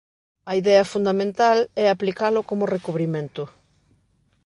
A idea fundamental é aplicalo como recubrimento.